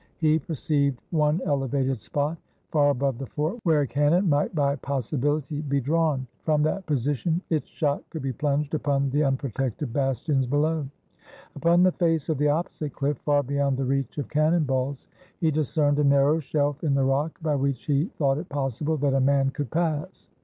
He perceived one elevated spot, far above the fort, where a cannon might by possibility be drawn. From that position its shot could be plunged upon the unprotected bastions below. Upon the face of the opposite cliff, far beyond the reach of cannon balls, he discerned a narrow shelf in the rock, by which he thought it possible that a man could pass.